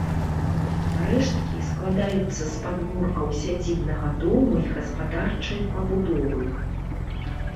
Рэшткі складаюцца з падмуркаў сядзібнага дому і гаспадарчай пабудовы.